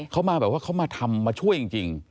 เขามาแบบว่าเขามาทำมาช่วยจริง